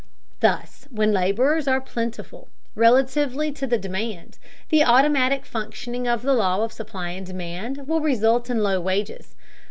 Thus when laborers are plentiful, relatively to the demand, the automatic functioning of the law of supply and demand will result in low wages.